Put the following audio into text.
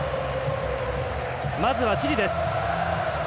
まずはチリです。